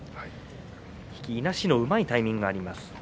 引き、いなしのうまいタイミングがあります。